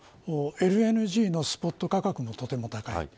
ＬＮＧのスポット価格もとても高い。